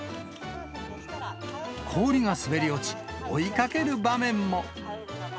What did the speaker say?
氷が滑り落ち、追いかける場面も。